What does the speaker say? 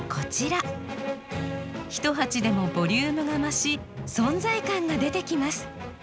１鉢でもボリュームが増し存在感が出てきます。